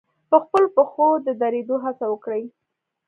په خپلو پښو د درېدو هڅه وکړي.